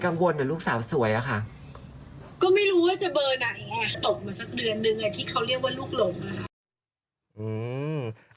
ตกมาสักเดือนหนึ่งที่เขาเรียกว่าลูกหล่นมา